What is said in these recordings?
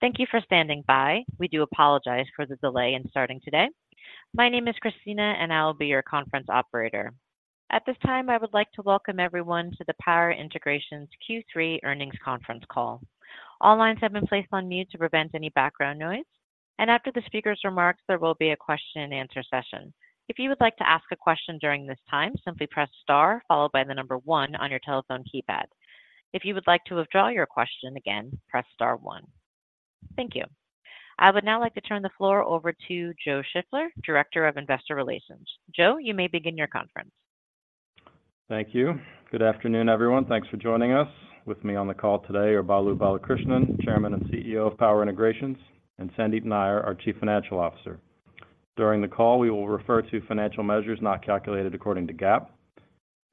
Thank you for standing by. We do apologize for the delay in starting today. My name is Christina, and I will be your conference operator. At this time, I would like to welcome everyone to the Power Integrations' Q3 Earnings Conference Call. All lines have been placed on mute to prevent any background noise, and after the speaker's remarks, there will be a question-and-answer session. If you would like to ask a question during this time, simply press star followed by the number one on your telephone keypad. If you would like to withdraw your question, again, press star one. Thank you. I would now like to turn the floor over to Joe Shiffler, Director of Investor Relations. Joe, you may begin your conference. Thank you. Good afternoon, everyone. Thanks for joining us. With me on the call today are Balu Balakrishnan, Chairman and CEO of Power Integrations, and Sandeep Nayyar, our Chief Financial Officer. During the call, we will refer to financial measures not calculated according to GAAP.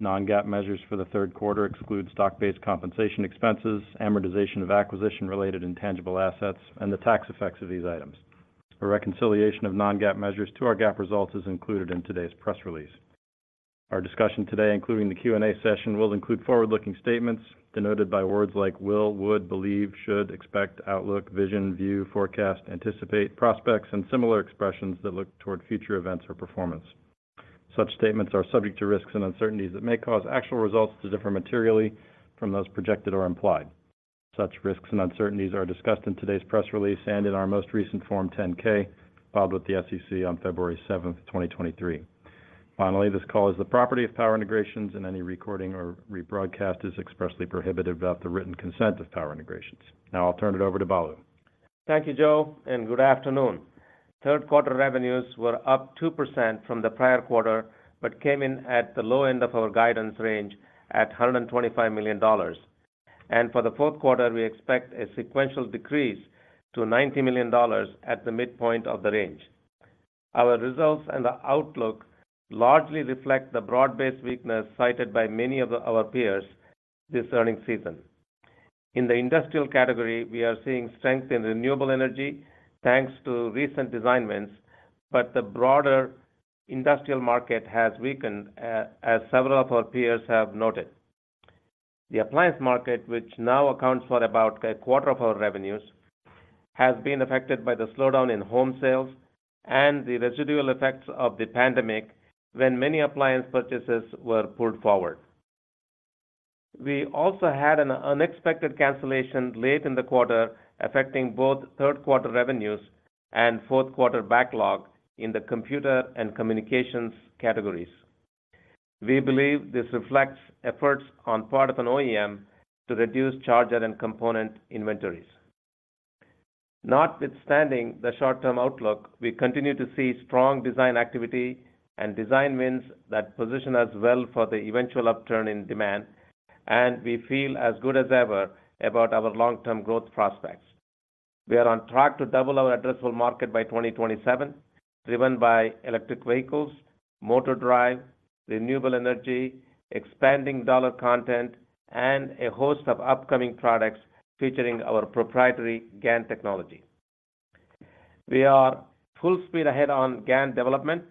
Non-GAAP measures for the third quarter exclude stock-based compensation expenses, amortization of acquisition-related intangible assets, and the tax effects of these items. A reconciliation of non-GAAP measures to our GAAP results is included in today's press release. Our discussion today, including the Q&A session, will include forward-looking statements denoted by words like will, would, believe, should, expect, outlook, vision, view, forecast, anticipate, prospects, and similar expressions that look toward future events or performance. Such statements are subject to risks and uncertainties that may cause actual results to differ materially from those projected or implied. Such risks and uncertainties are discussed in today's press release and in our most recent Form 10-K, filed with the SEC on February seventh, 2023. Finally, this call is the property of Power Integrations, and any recording or rebroadcast is expressly prohibited without the written consent of Power Integrations. Now, I'll turn it over to Balu. Thank you, Joe, and good afternoon. Third quarter revenues were up 2% from the prior quarter, but came in at the low end of our guidance range at $125 million. For the fourth quarter, we expect a sequential decrease to $90 million at the midpoint of the range. Our results and the outlook largely reflect the broad-based weakness cited by many of our peers this earnings season. In the industrial category, we are seeing strength in renewable energy, thanks to recent design wins, but the broader industrial market has weakened, as several of our peers have noted. The appliance market, which now accounts for about a quarter of our revenues, has been affected by the slowdown in home sales and the residual effects of the pandemic, when many appliance purchases were pulled forward. We also had an unexpected cancellation late in the quarter, affecting both third quarter revenues and fourth quarter backlog in the computer and communications categories. We believe this reflects efforts on part of an OEM to reduce charger and component inventories. Notwithstanding the short-term outlook, we continue to see strong design activity and design wins that position us well for the eventual upturn in demand, and we feel as good as ever about our long-term growth prospects. We are on track to double our addressable market by 2027, driven by electric vehicles, motor drive, renewable energy, expanding dollar content, and a host of upcoming products featuring our proprietary GaN technology. We are full speed ahead on GaN development,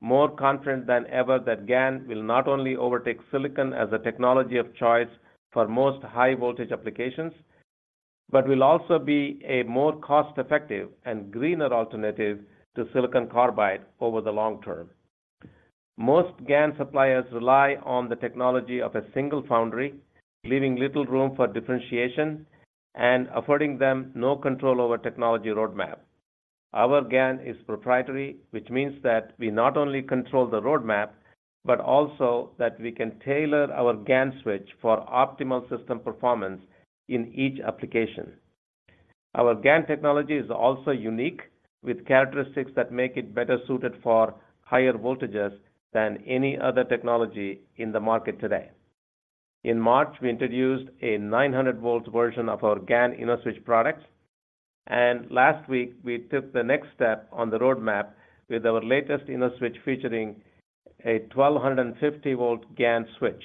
more confident than ever that GaN will not only overtake silicon as a technology of choice for most high voltage applications, but will also be a more cost-effective and greener alternative to silicon carbide over the long term. Most GaN suppliers rely on the technology of a single foundry, leaving little room for differentiation and affording them no control over technology roadmap. Our GaN is proprietary, which means that we not only control the roadmap, but also that we can tailor our GaN switch for optimal system performance in each application. Our GaN technology is also unique, with characteristics that make it better suited for higher voltages than any other technology in the market today. In March, we introduced a 900-volt version of our GaN InnoSwitch products, and last week, we took the next step on the roadmap with our latest InnoSwitch, featuring a 1,250-volt GaN switch.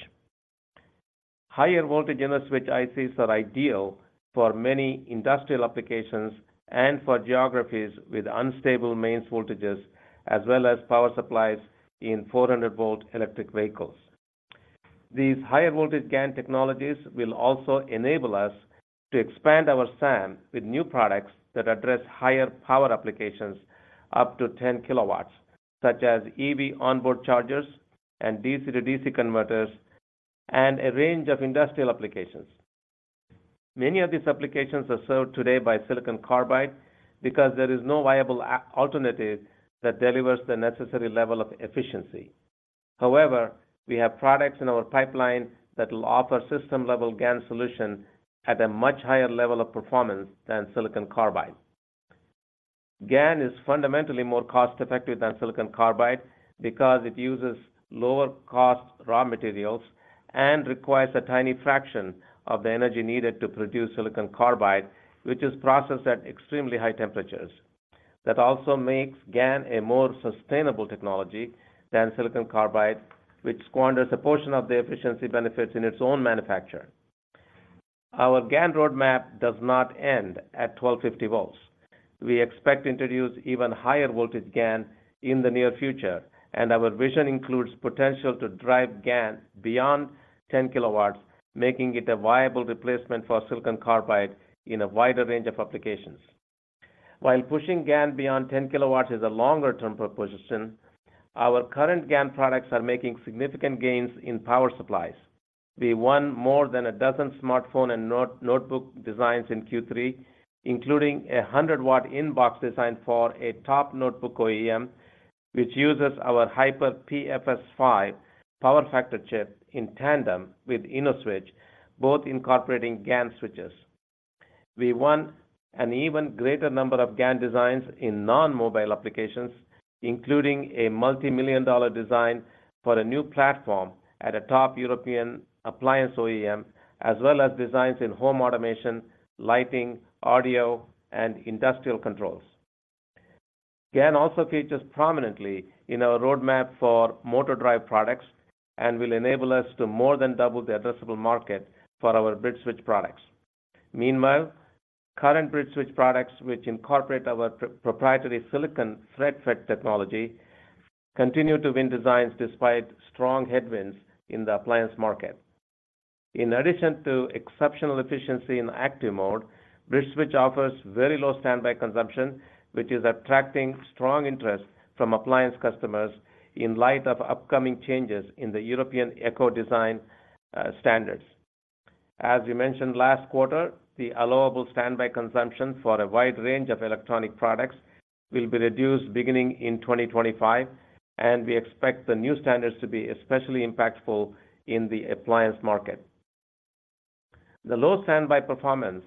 Higher voltage InnoSwitch ICs are ideal for many industrial applications and for geographies with unstable mains voltages, as well as power supplies in 400-volt electric vehicles. These higher voltage GaN technologies will also enable us to expand our SAM with new products that address higher power applications up to 10 kW, such as EV onboard chargers and DC to DC converters, and a range of industrial applications. Many of these applications are served today by silicon carbide because there is no viable alternative that delivers the necessary level of efficiency. However, we have products in our pipeline that will offer system-level GaN solution at a much higher level of performance than silicon carbide. GaN is fundamentally more cost-effective than silicon carbide because it uses lower cost raw materials and requires a tiny fraction of the energy needed to produce silicon carbide, which is processed at extremely high temperatures. That also makes GaN a more sustainable technology than silicon carbide, which squanders a portion of the efficiency benefits in its own manufacture. Our GaN roadmap does not end at 1,250 volts... We expect to introduce even higher voltage GaN in the near future, and our vision includes potential to drive GaN beyond 10 kW, making it a viable replacement for silicon carbide in a wider range of applications. While pushing GaN beyond 10 kW is a longer-term proposition, our current GaN products are making significant gains in power supplies. We won more than a dozen smartphone and notebook designs in Q3, including a 100 W in-box design for a top notebook OEM, which uses our HiperPFS-5 power factor chip in tandem with InnoSwitch, both incorporating GaN switches. We won an even greater number of GaN designs in non-mobile applications, including a multimillion-dollar design for a new platform at a top European appliance OEM, as well as designs in home automation, lighting, audio, and industrial controls. GaN also features prominently in our roadmap for motor drive products and will enable us to more than double the addressable market for our BridgeSwitch products. Meanwhile, current BridgeSwitch products, which incorporate our proprietary silicon TrenchFET technology, continue to win designs despite strong headwinds in the appliance market. In addition to exceptional efficiency in active mode, BridgeSwitch offers very low standby consumption, which is attracting strong interest from appliance customers in light of upcoming changes in the European Ecodesign standards. As we mentioned last quarter, the allowable standby consumption for a wide range of electronic products will be reduced beginning in 2025, and we expect the new standards to be especially impactful in the appliance market. The low standby performance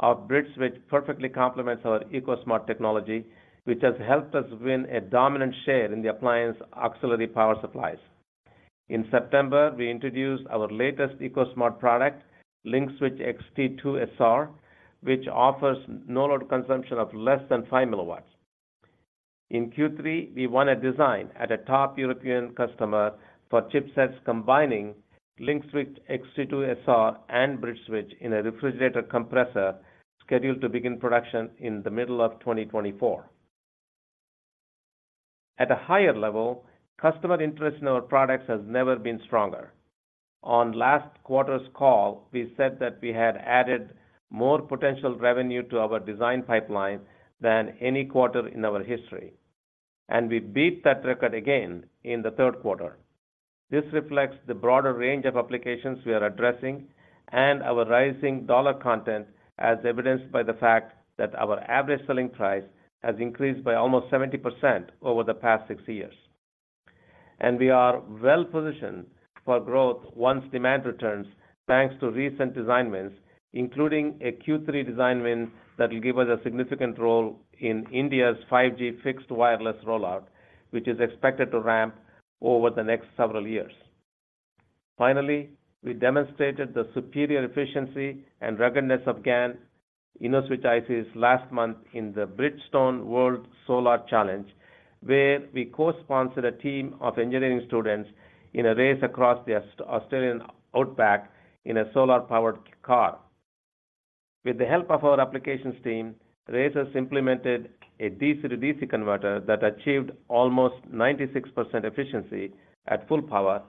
of BridgeSwitch perfectly complements our EcoSmart technology, which has helped us win a dominant share in the appliance auxiliary power supplies. In September, we introduced our latest EcoSmart product, LinkSwitch-XT2SR, which offers no load consumption of less than 5 mW. In Q3, we won a design at a top European customer for chipsets combining LinkSwitch-XT2SR and BridgeSwitch in a refrigerator compressor, scheduled to begin production in the middle of 2024. At a higher level, customer interest in our products has never been stronger. On last quarter's call, we said that we had added more potential revenue to our design pipeline than any quarter in our history, and we beat that record again in the third quarter. This reflects the broader range of applications we are addressing and our rising dollar content, as evidenced by the fact that our average selling price has increased by almost 70% over the past six years. And we are well positioned for growth once demand returns, thanks to recent design wins, including a Q3 design win that will give us a significant role in India's 5G fixed wireless rollout, which is expected to ramp over the next several years. Finally, we demonstrated the superior efficiency and ruggedness of GaN InnoSwitch ICs last month in the Bridgestone World Solar Challenge, where we co-sponsored a team of engineering students in a race across the Australian Outback in a solar-powered car. With the help of our applications team, racers implemented a DC-to-DC converter that achieved almost 96% efficiency at full power,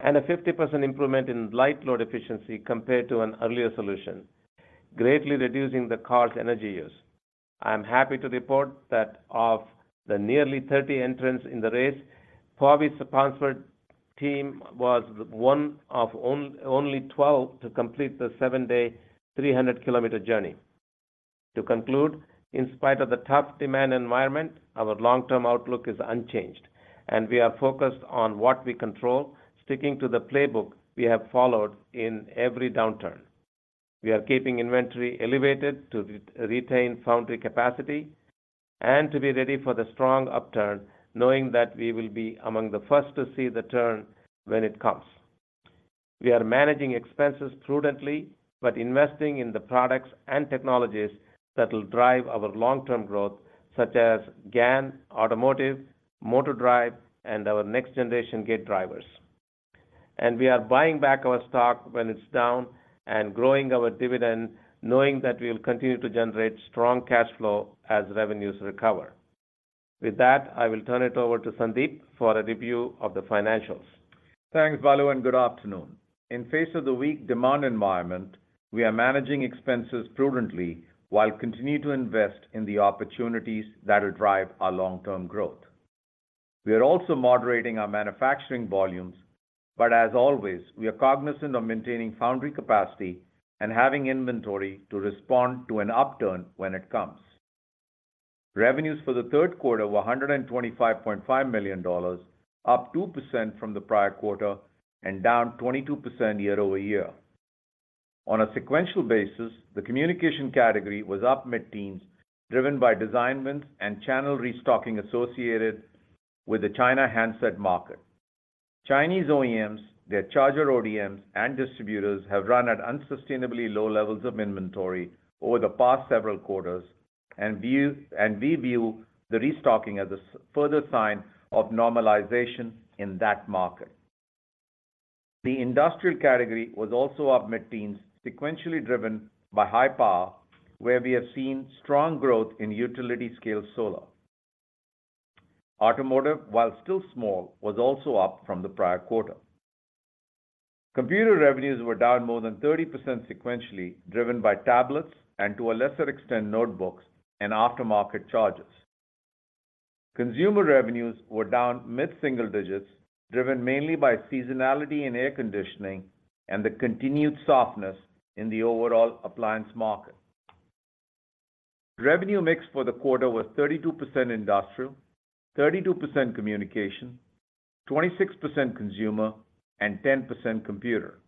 and a 50% improvement in light load efficiency compared to an earlier solution, greatly reducing the car's energy use. I'm happy to report that of the nearly 30 entrants in the race, our sponsored team was one of only 12 to complete the seven-day, 300 km journey. To conclude, in spite of the tough demand environment, our long-term outlook is unchanged, and we are focused on what we control, sticking to the playbook we have followed in every downturn. We are keeping inventory elevated to retain foundry capacity and to be ready for the strong upturn, knowing that we will be among the first to see the turn when it comes. We are managing expenses prudently, but investing in the products and technologies that will drive our long-term growth, such as GaN, automotive, motor drive, and our next-generation gate drivers. We are buying back our stock when it's down and growing our dividend, knowing that we will continue to generate strong cash flow as revenues recover. With that, I will turn it over to Sandeep for a review of the financials. Thanks, Balu, and good afternoon. In the face of the weak demand environment, we are managing expenses prudently while continuing to invest in the opportunities that will drive our long-term growth. We are also moderating our manufacturing volumes, but as always, we are cognizant of maintaining foundry capacity and having inventory to respond to an upturn when it comes. Revenues for the third quarter were $125.5 million, up 2% from the prior quarter and down 22% year-over-year. On a sequential basis, the communication category was up mid-teens, driven by design wins and channel restocking associated with the China handset market. Chinese OEMs, their charger ODMs and distributors have run at unsustainably low levels of inventory over the past several quarters, and we view the restocking as a further sign of normalization in that market. The industrial category was also up mid-teens, sequentially driven by high power, where we have seen strong growth in utility-scale solar. Automotive, while still small, was also up from the prior quarter. Computer revenues were down more than 30% sequentially, driven by tablets and, to a lesser extent, notebooks and aftermarket charges. Consumer revenues were down mid-single digits, driven mainly by seasonality in air conditioning and the continued softness in the overall appliance market. Revenue mix for the quarter was 32% industrial, 32% communication, 26% consumer, and 10% computer.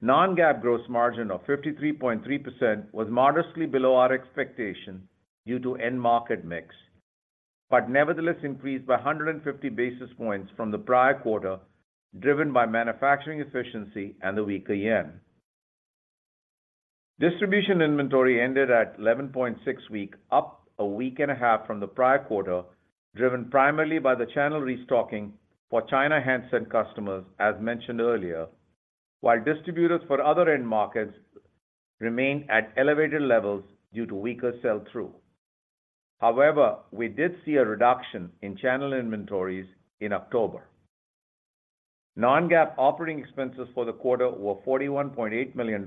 Non-GAAP gross margin of 53.3% was modestly below our expectation due to end market mix, but nevertheless increased by 150 basis points from the prior quarter, driven by manufacturing efficiency and the weaker yen. Distribution inventory ended at 11.6 weeks, up a week and a half from the prior quarter, driven primarily by the channel restocking for China handset customers, as mentioned earlier, while distributors for other end markets remained at elevated levels due to weaker sell-through. However, we did see a reduction in channel inventories in October. Non-GAAP operating expenses for the quarter were $41.8 million,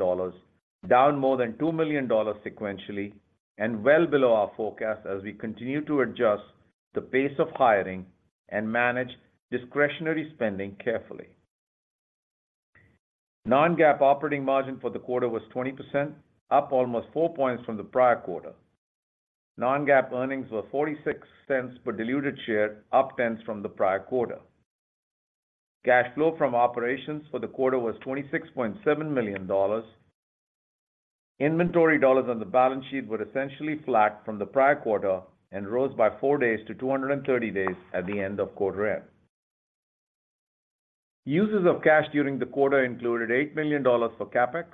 down more than $2 million sequentially, and well below our forecast as we continue to adjust the pace of hiring and manage discretionary spending carefully. Non-GAAP operating margin for the quarter was 20%, up almost 4 points from the prior quarter. Non-GAAP earnings were $0.46 per diluted share, up 10 from the prior quarter. Cash flow from operations for the quarter was $26.7 million. Inventory dollars on the balance sheet were essentially flat from the prior quarter and rose by four days to 230 days at the end of quarter end. Uses of cash during the quarter included $8 million for CapEx,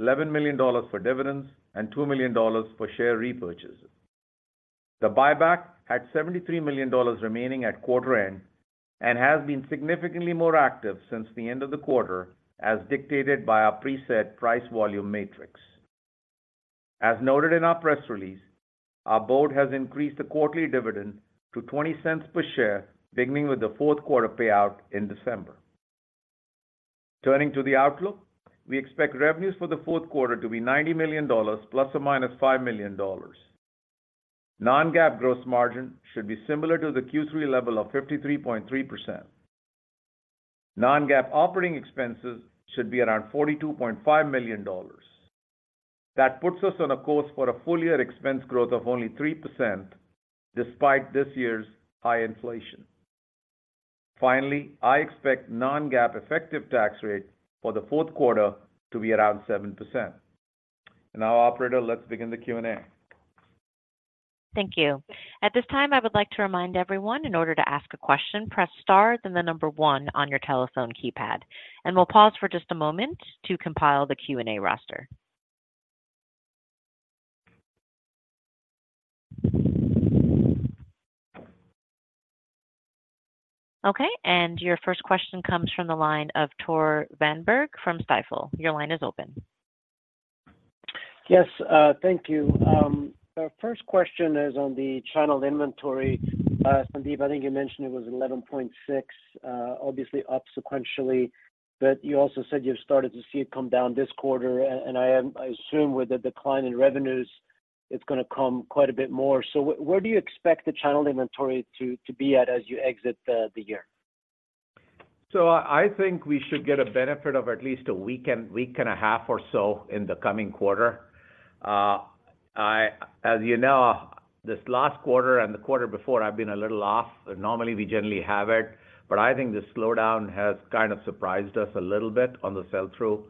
$11 million for dividends, and $2 million for share repurchases. The buyback had $73 million remaining at quarter end and has been significantly more active since the end of the quarter, as dictated by our preset price volume matrix. As noted in our press release, our board has increased the quarterly dividend to $0.20 per share, beginning with the fourth quarter payout in December. Turning to the outlook, we expect revenues for the fourth quarter to be $90 million ± $5 million. Non-GAAP gross margin should be similar to the Q3 level of 53.3%. Non-GAAP operating expenses should be around $42.5 million. That puts us on a course for a full year expense growth of only 3%, despite this year's high inflation. Finally, I expect non-GAAP effective tax rate for the fourth quarter to be around 7%. Now, operator, let's begin the Q&A. Thank you. At this time, I would like to remind everyone, in order to ask a question, press star, then 1 on your telephone keypad, and we'll pause for just a moment to compile the Q&A roster. Okay, and your first question comes from the line of Tore Svanberg from Stifel. Your line is open. Yes, thank you. Our first question is on the channel inventory. Sandeep, I think you mentioned it was 11.6, obviously, up sequentially, but you also said you've started to see it come down this quarter, and I assume with the decline in revenues, it's going to come quite a bit more. So where do you expect the channel inventory to be at as you exit the year? So I think we should get a benefit of at least a week and a week and a half or so in the coming quarter. As you know, this last quarter and the quarter before, I've been a little off. Normally, we generally have it, but I think the slowdown has kind of surprised us a little bit on the sell-through.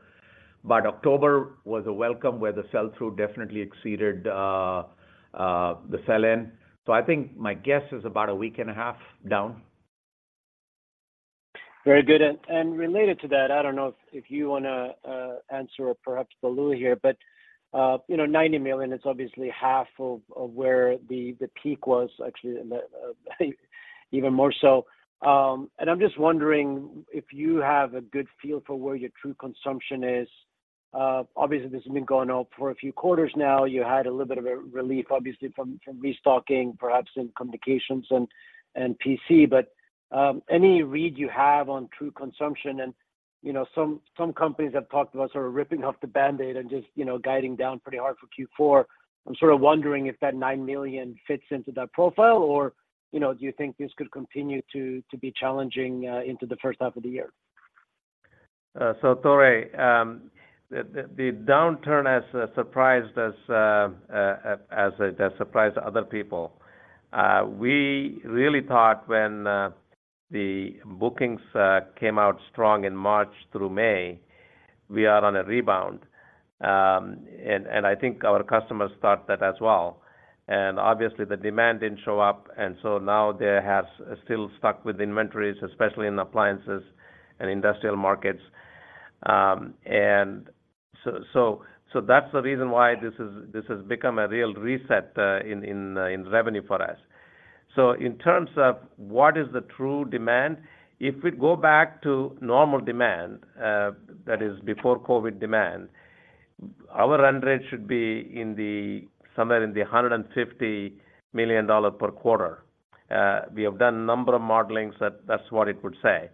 But October was a welcome, where the sell-through definitely exceeded the sell-in. So I think my guess is about a week and a half down. Very good. And related to that, I don't know if you want to answer or perhaps Balu here, but you know, $90 million is obviously half of where the peak was actually, even more so. And I'm just wondering if you have a good feel for where your true consumption is? Obviously, this has been going on for a few quarters now. You had a little bit of a relief, obviously, from restocking, perhaps in communications and PC. But any read you have on true consumption, and you know, some companies have talked about sort of ripping off the Band-Aid and just you know, guiding down pretty hard for Q4. I'm sort of wondering if that $9 million fits into that profile, or, you know, do you think this could continue to be challenging into the first half of the year? So Tore, the downturn has surprised us, as it has surprised other people. We really thought when the bookings came out strong in March through May, we are on a rebound. I think our customers thought that as well. And obviously, the demand didn't show up, and so now they have still stuck with inventories, especially in appliances and industrial markets. And so that's the reason why this is—this has become a real reset in revenue for us. So in terms of what is the true demand, if we go back to normal demand, that is before COVID demand, our run rate should be somewhere in the $150 million per quarter. We have done a number of modelings, that's what it would say.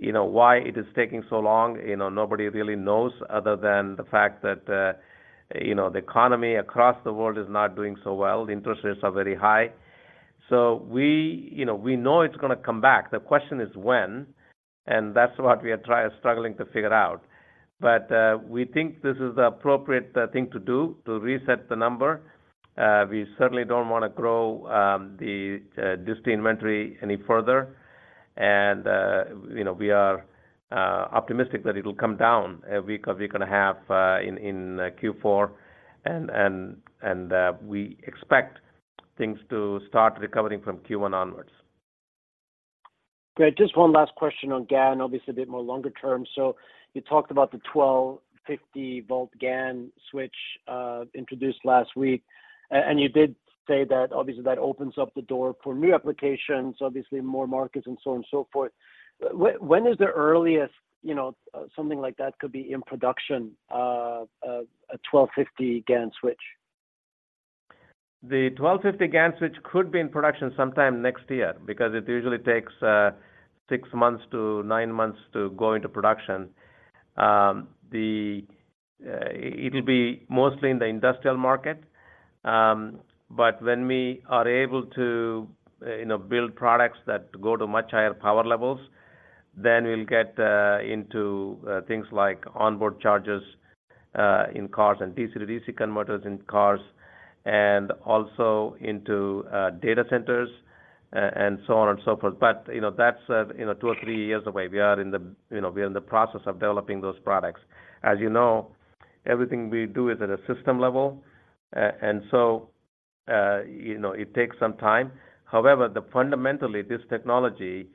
You know, why it is taking so long, you know, nobody really knows other than the fact that, you know, the economy across the world is not doing so well. The interest rates are very high. So we, you know, we know it's gonna come back. The question is when, and that's what we are struggling to figure out. We think this is the appropriate thing to do to reset the number. We certainly don't want to grow the dist inventory any further. You know, we are optimistic that it'll come down a week, a week and a half, in Q4, and we expect things to start recovering from Q1 onwards. Great. Just one last question on GaN, obviously a bit more longer term. So you talked about the 1250-volt GaN switch, introduced last week, and you did say that obviously that opens up the door for new applications, obviously more markets and so on and so forth. When is the earliest, you know, something like that could be in production, a 1250 GaN switch? The 1,250 GaN switch could be in production sometime next year, because it usually takes 6-9 months to go into production. It'll be mostly in the industrial market, but when we are able to you know, build products that go to much higher power levels, then we'll get into things like onboard chargers in cars and DC-DC converters in cars and also into data centers and so on and so forth. But you know, that's you know, 2 or 3 years away. We are you know, in the process of developing those products. As you know, everything we do is at a system level. And so you know, it takes some time. However, fundamentally, this technology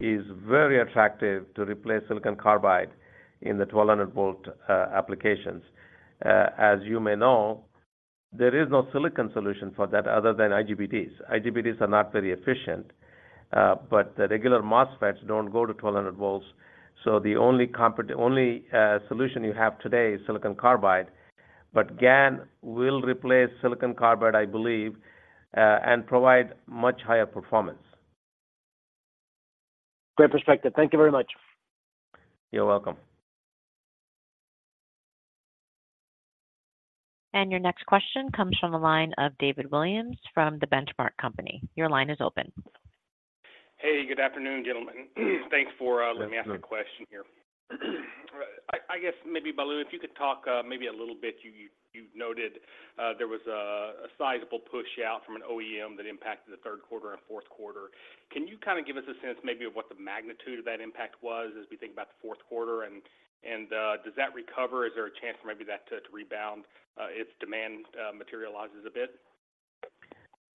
is very attractive to replace silicon carbide in the 1200-volt applications. As you may know, there is no silicon solution for that other than IGBTs. IGBTs are not very efficient, but the regular MOSFETs don't go to 1200 volts, so the only solution you have today is silicon carbide. But GaN will replace silicon carbide, I believe, and provide much higher performance. Great perspective. Thank you very much. You're welcome. Your next question comes from the line of David Williams from the Benchmark Company. Your line is open. Hey, good afternoon, gentlemen. Thanks for- Yes, sure. Let me ask a question here. I guess maybe, Balu, if you could talk maybe a little bit, you noted there was a sizable push out from an OEM that impacted the third quarter and fourth quarter. Can you kind of give us a sense maybe of what the magnitude of that impact was as we think about the fourth quarter, and does that recover? Is there a chance for maybe that to rebound if demand materializes a bit?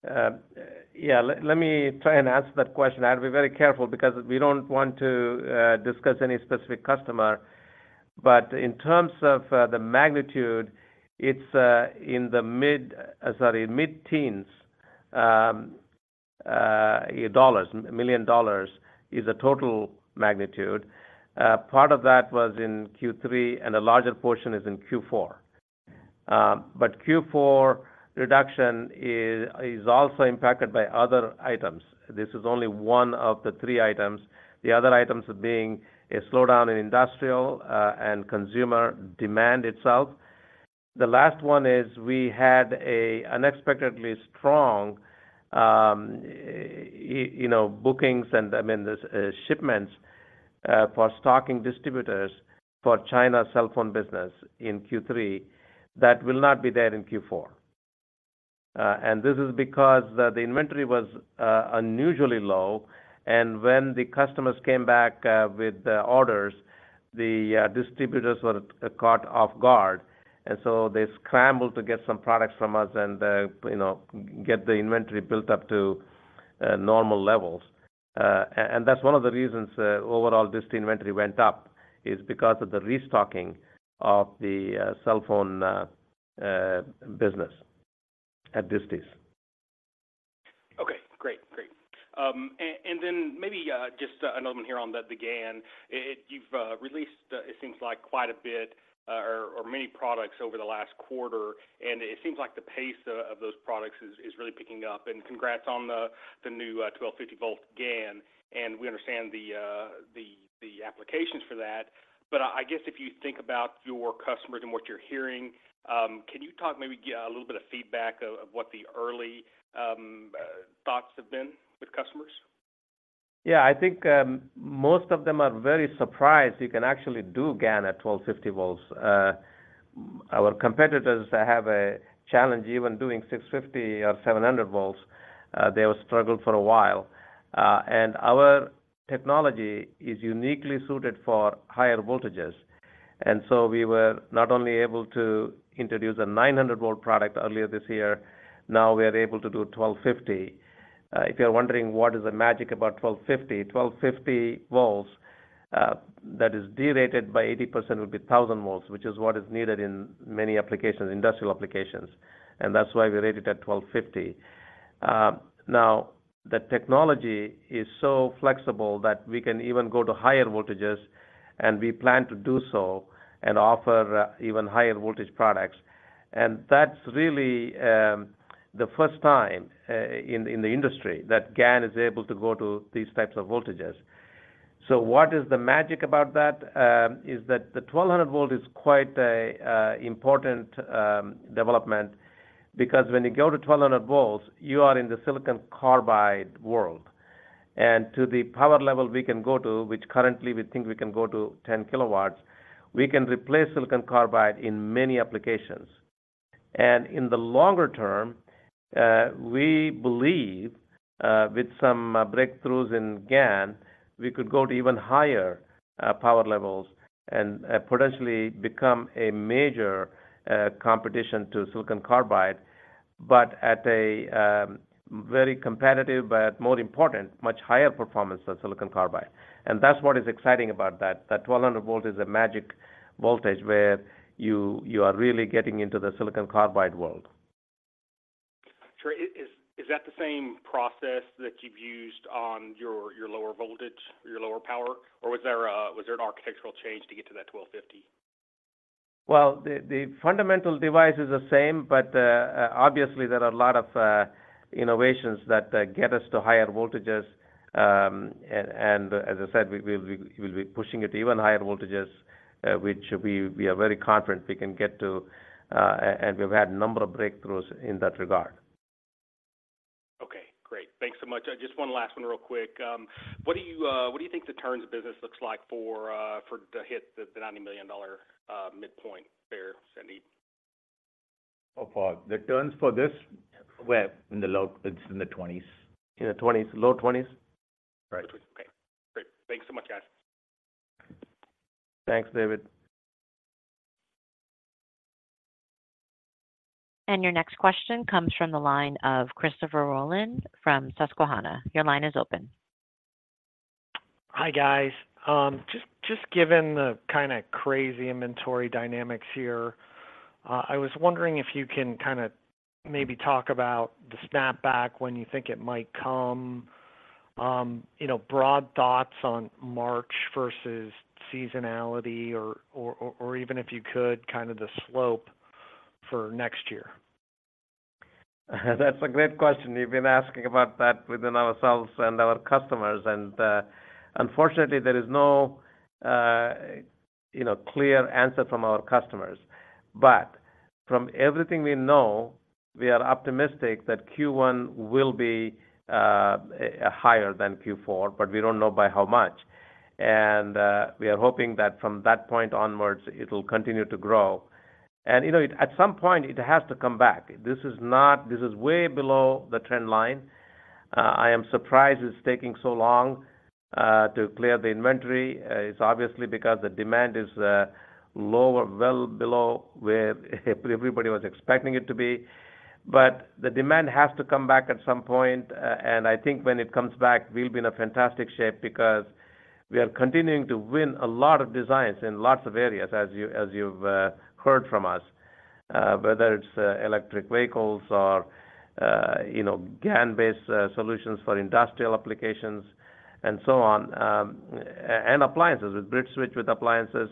Yeah, let me try and answer that question. I have to be very careful because we don't want to discuss any specific customer. But in terms of the magnitude, it's in the mid-teens $ million dollars is the total magnitude. Part of that was in Q3, and a larger portion is in Q4. But Q4 reduction is also impacted by other items. This is only one of the three items, the other items being a slowdown in industrial and consumer demand itself. The last one is we had a unexpectedly strong, you know, bookings and, I mean, shipments for stocking distributors for China cellphone business in Q3, that will not be there in Q4. And this is because the inventory was unusually low, and when the customers came back with the orders, the distributors were caught off guard, and so they scrambled to get some products from us and, you know, get the inventory built up to normal levels. And that's one of the reasons overall dist inventory went up, is because of the restocking of the cell phone business at disties. Okay, great. Great. And then maybe just another one here on the GaN. You've released it seems like quite a bit or many products over the last quarter, and it seems like the pace of those products is really picking up. And congrats on the new 1250-volt GaN, and we understand the applications for that. But I guess if you think about your customers and what you're hearing, can you talk maybe a little bit of feedback of what the early thoughts have been with customers? Yeah, I think, most of them are very surprised. You can actually do GaN at 1,250 volts. Our competitors have a challenge even doing 650 or 700 volts. They will struggle for a while. And our technology is uniquely suited for higher voltages, and so we were not only able to introduce a 900-volt product earlier this year, now we are able to do 1,250. If you're wondering what is the magic about 1,250, 1,250 volts, that is derated by 80% will be 1,000 volts, which is what is needed in many applications, industrial applications, and that's why we rate it at 1,250. Now, the technology is so flexible that we can even go to higher voltages, and we plan to do so and offer even higher voltage products. That's really the first time in the industry that GaN is able to go to these types of voltages. So what is the magic about that? Is that the 1,200-volt is quite an important development, because when you go to 1,200 volts, you are in the silicon carbide world. And to the power level we can go to, which currently we think we can go to 10 kW, we can replace silicon carbide in many applications. And in the longer term, we believe with some breakthroughs in GaN, we could go to even higher power levels and potentially become a major competition to silicon carbide, but at a very competitive, but more important, much higher performance than silicon carbide. And that's what is exciting about that. That 1200-volt is a magic voltage where you, you are really getting into the silicon carbide world. Sure. Is that the same process that you've used on your lower voltage, your lower power, or was there an architectural change to get to that 1,250? Well, the fundamental device is the same, but obviously there are a lot of innovations that get us to higher voltages. And as I said, we'll be pushing it to even higher voltages, which we are very confident we can get to, and we've had a number of breakthroughs in that regard. Okay, great. Thanks so much. Just one last one real quick. What do you think the turns business looks like for to hit the $90 million midpoint there, Sandeep? Oh, Paul, the turns for this where? In the low, it's in the 20s. In the 20s. Low 20s? Right. Okay, great. Thanks so much, guys. Thanks, David. Your next question comes from the line of Christopher Rolland from Susquehanna. Your line is open. Hi, guys. Just given the kind of crazy inventory dynamics here, I was wondering if you can kind of maybe talk about the snapback when you think it might come. You know, broad thoughts on March versus seasonality or even if you could, kind of the slope for next year. That's a great question. We've been asking about that within ourselves and our customers, and unfortunately, there is no, you know, clear answer from our customers. But from everything we know, we are optimistic that Q1 will be higher than Q4, but we don't know by how much. And we are hoping that from that point onwards, it'll continue to grow. And, you know, at some point, it has to come back. This is way below the trend line. I am surprised it's taking so long to clear the inventory. It's obviously because the demand is lower, well below where everybody was expecting it to be. But the demand has to come back at some point, and I think when it comes back, we'll be in a fantastic shape because we are continuing to win a lot of designs in lots of areas, as you've heard from us, whether it's electric vehicles or you know, GaN-based solutions for industrial applications and so on, and appliances, with BridgeSwitch with appliances.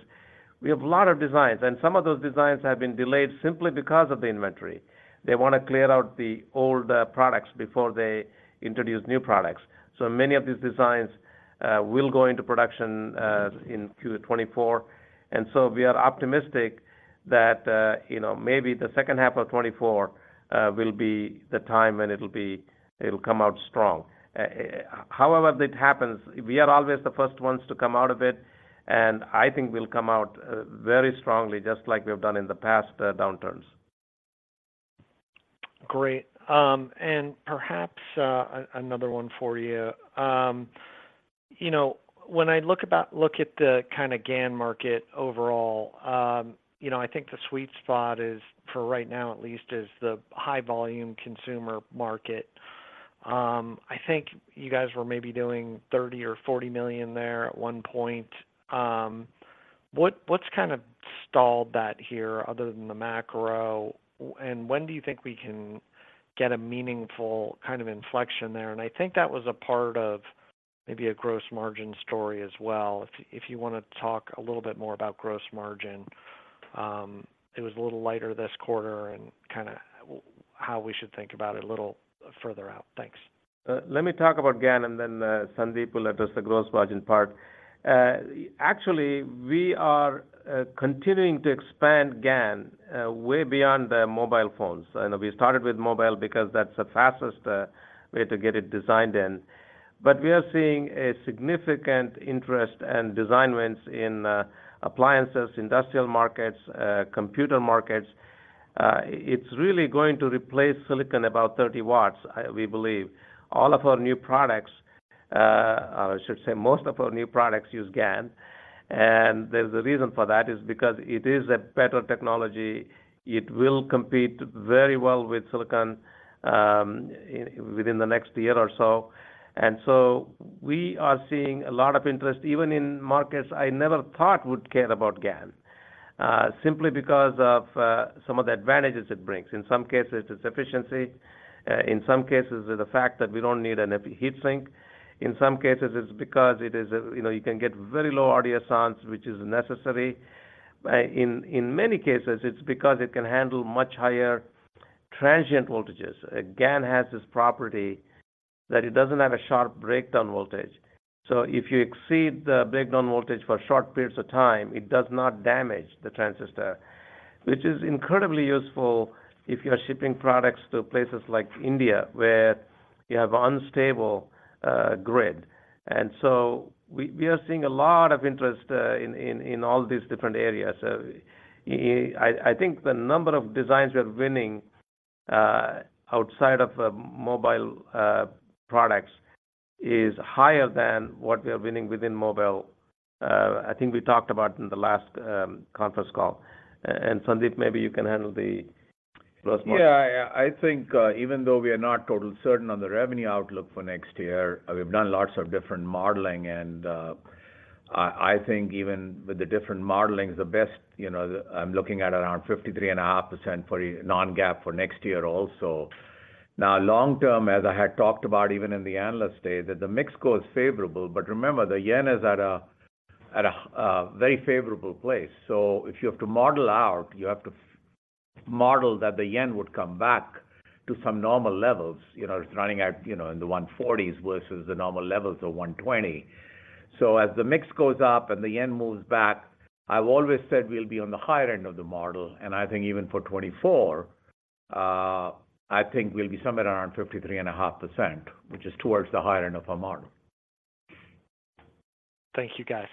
We have a lot of designs, and some of those designs have been delayed simply because of the inventory. They want to clear out the old products before they introduce new products. So many of these designs will go into production in Q2 2024. And so we are optimistic that you know, maybe the second half of 2024 will be the time when it'll come out strong. However, it happens, we are always the first ones to come out of it, and I think we'll come out very strongly, just like we have done in the past, downturns. Great. And perhaps another one for you. You know, when I look at the kind of GaN market overall, you know, I think the sweet spot is, for right now at least, the high-volume consumer market. I think you guys were maybe doing $30 million-$40 million there at one point. What’s kind of stalled that here other than the macro? And when do you think we can get a meaningful kind of inflection there? And I think that was a part of maybe a gross margin story as well, if you want to talk a little bit more about gross margin. It was a little lighter this quarter and kind of how we should think about it a little further out. Thanks. Let me talk about GaN, and then, Sandeep will address the gross margin part. Actually, we are continuing to expand GaN way beyond the mobile phones. I know we started with mobile because that's the fastest way to get it designed in, but we are seeing a significant interest and design wins in appliances, industrial markets, computer markets. It's really going to replace silicon about 30 W, we believe. All of our new products, I should say, most of our new products use GaN. And the reason for that is because it is a better technology. It will compete very well with silicon within the next year or so. And so we are seeing a lot of interest, even in markets I never thought would care about GaN, simply because of some of the advantages it brings. In some cases, it's efficiency, in some cases, it's the fact that we don't need a heavy heat sink. In some cases, it's because it is a, you know, you can get very low RDS(on)s, which is necessary. In many cases, it's because it can handle much higher transient voltages. GaN has this property that it doesn't have a sharp breakdown voltage. So if you exceed the breakdown voltage for short periods of time, it does not damage the transistor, which is incredibly useful if you are shipping products to places like India, where you have unstable grid. And so we are seeing a lot of interest in all these different areas. So I think the number of designs we are winning outside of mobile products is higher than what we are winning within mobile. I think we talked about in the last conference call, and Sandeep, maybe you can handle the last one. Yeah, I think even though we are not totally certain on the revenue outlook for next year, we've done lots of different modeling, and I think even with the different modelings, the best, you know, I'm looking at around 53.5% for non-GAAP for next year also. Now, long term, as I had talked about, even in the analyst day, that the mix goes favorable, but remember, the yen is at a very favorable place. So if you have to model out, you have to model that the yen would come back to some normal levels. You know, it's running at, you know, in the 140s versus the normal levels of 120. So as the mix goes up and the yen moves back, I've always said we'll be on the higher end of the model, and I think even for 2024, I think we'll be somewhere around 53.5%, which is towards the higher end of our model. Thank you, guys.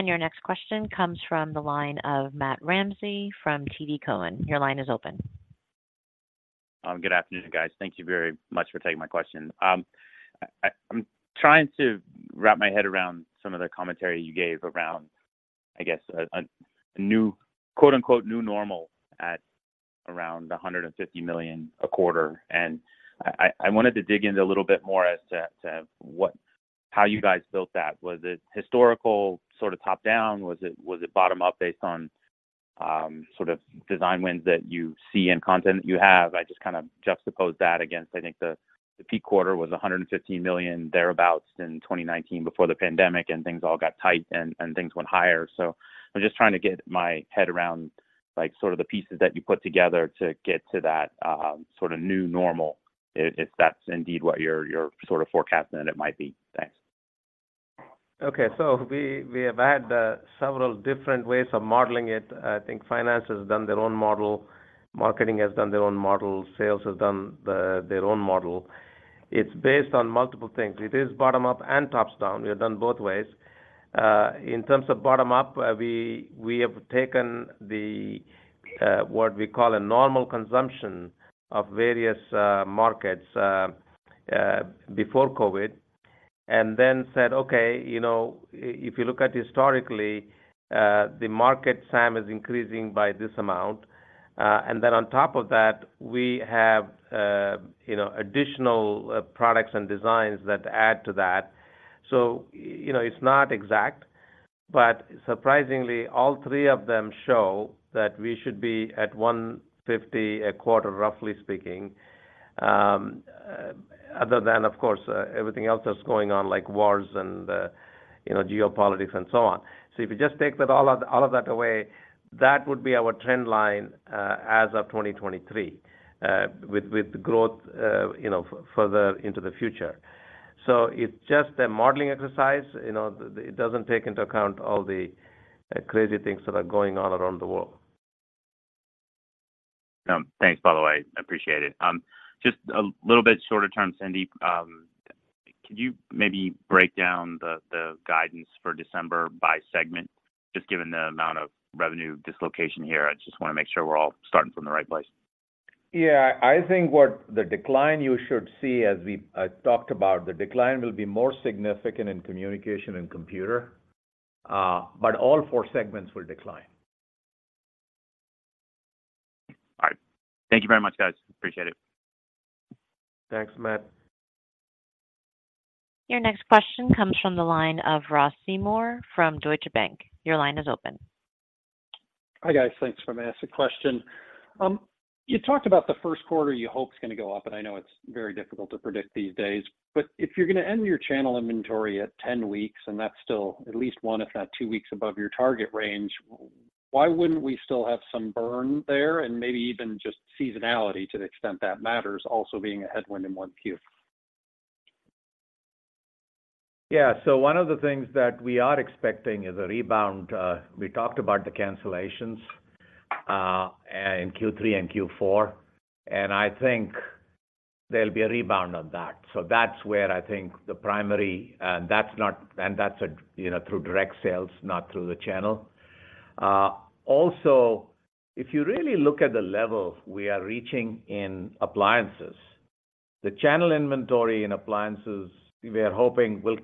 Your next question comes from the line of Matt Ramsay from TD Cowen. Your line is open. Good afternoon, guys. Thank you very much for taking my question. I'm trying to wrap my head around some of the commentary you gave around, I guess, a new, quote-unquote, “new normal” at around $150 million a quarter. I wanted to dig in a little bit more as to, to what, how you guys built that. Was it historical, sort of top-down? Was it bottom-up based on, sort of design wins that you see and content that you have? I just kind of juxtaposed that against. I think the peak quarter was $150 million thereabouts in 2019 before the pandemic, and things all got tight, and things went higher. I'm just trying to get my head around, like, sort of the pieces that you put together to get to that, sort of new normal, if that's indeed what you're sort of forecasting that it might be. Thanks. Okay. So we have had several different ways of modeling it. I think finance has done their own model, marketing has done their own model, sales has done their own model. It's based on multiple things. It is bottom-up and top-down. We have done both ways. In terms of bottom-up, we have taken the what we call a normal consumption of various markets before COVID, and then said, "Okay, you know, if you look at historically, the market SAM is increasing by this amount." And then on top of that, we have, you know, additional products and designs that add to that. So, you know, it's not exact, but surprisingly, all three of them show that we should be at $150 a quarter, roughly speaking. Other than, of course, everything else that's going on, like wars and, you know, geopolitics and so on. So if you just take that all out—all of that away, that would be our trend line, as of 2023, with growth, you know, further into the future. So it's just a modeling exercise. You know, it doesn't take into account all the, crazy things that are going on around the world. Thanks, by the way, appreciate it. Just a little bit shorter term, Sandeep. Could you maybe break down the, the guidance for December by segment? Just given the amount of revenue dislocation here, I just want to make sure we're all starting from the right place. Yeah, I think what the decline you should see, as we talked about, the decline will be more significant in communication and computer, but all four segments will decline. All right. Thank you very much, guys. Appreciate it. Thanks, Matt. Your next question comes from the line of Ross Seymore from Deutsche Bank. Your line is open. Hi, guys. Thanks for letting me ask a question. You talked about the first quarter, you hope it's gonna go up, and I know it's very difficult to predict these days. But if you're gonna end your channel inventory at 10 weeks, and that's still at least 1, if not 2 weeks above your target range, why wouldn't we still have some burn there and maybe even just seasonality to the extent that matters, also being a headwind in 1Q? Yeah. So one of the things that we are expecting is a rebound. We talked about the cancellations in Q3 and Q4, and I think there'll be a rebound on that. So that's where I think the primary... That's, you know, through direct sales, not through the channel. Also if you really look at the level we are reaching in appliances, the channel inventory in appliances, we are hoping will,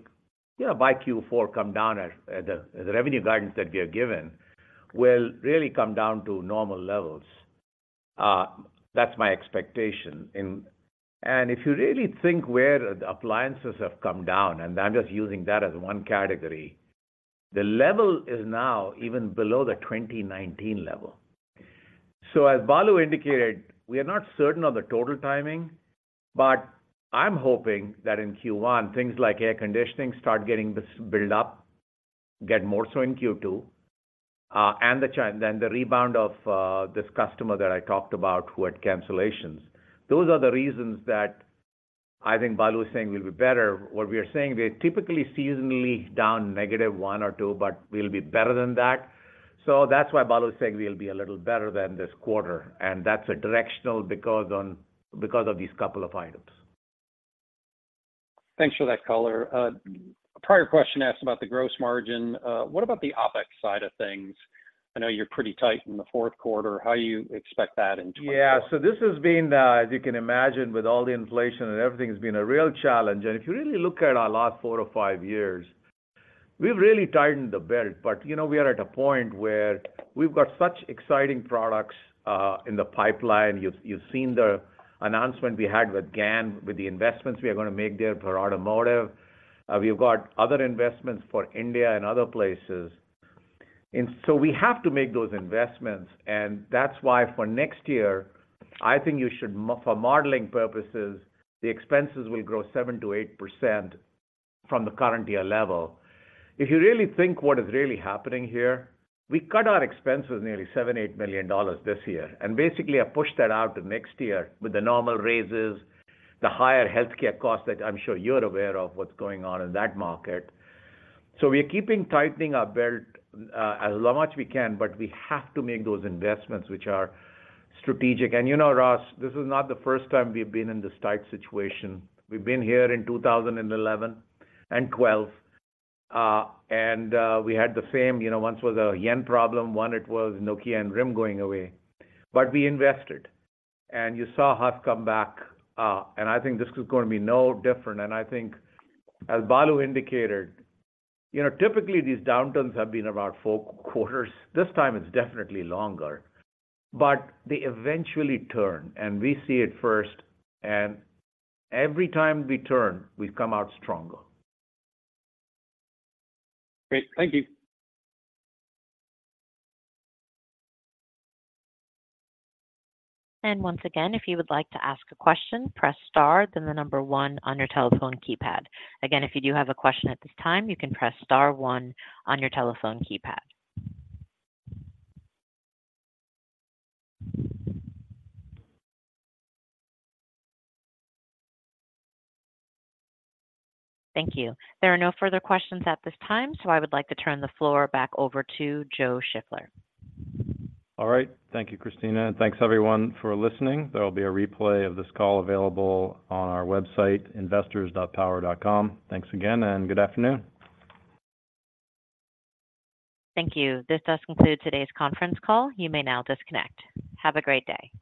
you know, by Q4, come down at the revenue guidance that we have given, will really come down to normal levels. That's my expectation. And if you really think where the appliances have come down, and I'm just using that as one category, the level is now even below the 2019 level. So as Balu indicated, we are not certain of the total timing, but I'm hoping that in Q1, things like air conditioning start getting this build up, get more so in Q2, and then the rebound of this customer that I talked about, who had cancellations. Those are the reasons that I think Balu is saying we'll be better. What we are saying, we are typically seasonally down -1 or -2, but we'll be better than that. So that's why Balu is saying we'll be a little better than this quarter, and that's a directional, because of these couple of items. Thanks for that color. A prior question asked about the gross margin. What about the OpEx side of things? I know you're pretty tight in the fourth quarter. How do you expect that in 2024? Yeah. So this has been, as you can imagine, with all the inflation and everything, a real challenge. And if you really look at our last four or five years, we've really tightened the belt. But, you know, we are at a point where we've got such exciting products in the pipeline. You've seen the announcement we had with GaN, with the investments we are going to make there for automotive. We've got other investments for India and other places, and so we have to make those investments. And that's why for next year, I think you should for modeling purposes, the expenses will grow 7%-8% from the current year level. If you really think what is really happening here, we cut our expenses nearly $7-$8 million this year, and basically I pushed that out to next year with the normal raises, the higher healthcare costs that I'm sure you're aware of what's going on in that market. So we are keeping tightening our belt as much as we can, but we have to make those investments, which are strategic. And, you know, Ross, this is not the first time we've been in this tight situation. We've been here in 2011 and 2012, and we had the same you know, once was a yen problem, one, it was Nokia and RIM going away, but we invested, and you saw us come back. And I think this is going to be no different. I think, as Balu indicated, you know, typically these downturns have been about 4 quarters. This time it's definitely longer, but they eventually turn, and we see it first, and every time we turn, we've come out stronger. Great. Thank you. Once again, if you would like to ask a question, press star, then the number one on your telephone keypad. Again, if you do have a question at this time, you can press star one on your telephone keypad. Thank you. There are no further questions at this time, so I would like to turn the floor back over to Joe Shiffler. All right. Thank you, Christina, and thanks, everyone, for listening. There will be a replay of this call available on our website, investors.power.com. Thanks again, and good afternoon. Thank you. This does conclude today's conference call. You may now disconnect. Have a great day.